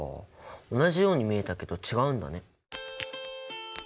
同じように見えたけど違うんだね。